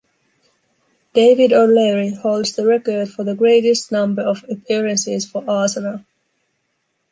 David O'Leary holds the record for the greatest number of appearances for Arsenal.